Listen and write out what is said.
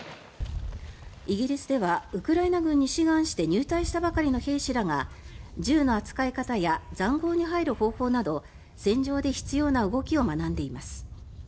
イギリスではウクライナ軍に志願して入隊したばかりの兵士らが銃の扱い方や塹壕に入る方法など戦場で必要な動きを学んでいます。